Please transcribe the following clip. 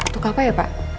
tukar apa ya pak